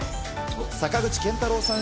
坂口健太郎さん